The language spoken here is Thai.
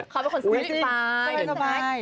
เขาเป็นคนสวิตส์อีกบ่าย